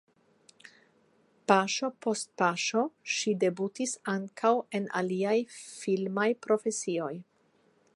Paŝo post paŝo ŝi debutis ankaŭ en aliaj filmaj profesioj.